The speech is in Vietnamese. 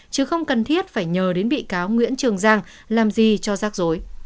chứ không cần thiết phải nhờ đến bị cáo nguyễn trường giang làm gì cho rác dối